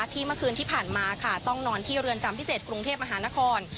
เมื่อคืนที่ผ่านมาค่ะต้องนอนที่เรือนจำพิเศษกรุงเทพมหานคร